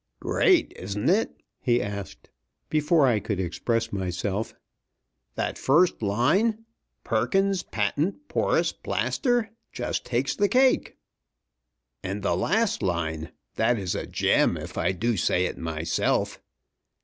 "Great, isn't it?" he asked, before I could express myself. "That first line, 'Perkins's Patent Porous Plaster,' just takes the cake. And the last line! That is a gem, if I do say it myself.